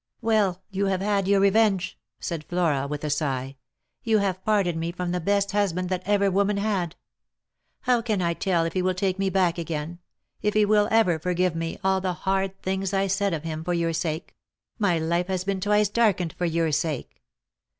" Well, you have had your revenge," said Flora, with a sigh. " You have parted me from the best husband that ever woman had. How can I tell if he will take me back again — if he will ever forgive me all the hard things I said of him for your sake ? My life has been twice darkened for your sake.